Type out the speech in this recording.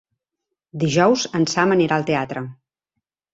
Dijous en Sam anirà al teatre.